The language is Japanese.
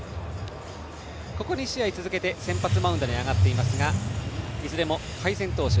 ここ２試合続けて先発マウンドに上がっていますがいずれも敗戦投手。